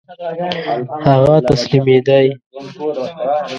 هغه تسلیمېدی.